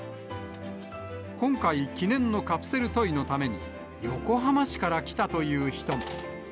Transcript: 今回、記念のカプセルトイのために、横浜市から来たという人も。